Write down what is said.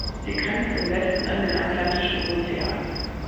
Sie grenzt im Westen an den Atlantischen Ozean.